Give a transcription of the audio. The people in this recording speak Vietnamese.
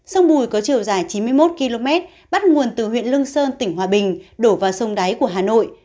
sông bùi có chiều dài chín mươi một km bắt nguồn từ huyện lương sơn tỉnh hòa bình đổ vào sông đáy của hà nội